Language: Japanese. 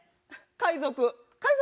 海賊。